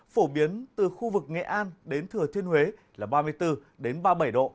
phổ biến từ khu vực nghệ an đến thừa thiên huế là ba mươi bốn ba mươi bảy độ